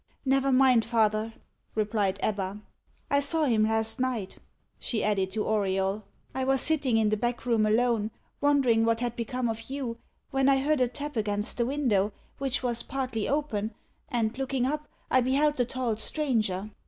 "Never mind, father," replied Ebba. "I saw him last night," she added to Auriol. "I was sitting in the back room alone, wondering what had become of you, when I heard a tap against the window, which was partly open, and, looking up, I beheld the tall stranger.